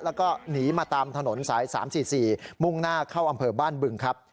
แล้วก็หนีมาตามถนนสาย๓๔๔มุ่งหน้าเข้าอำเภอบ้านบึงครับ